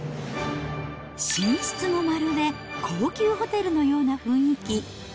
寝室もまるで高級ホテルのような雰囲気。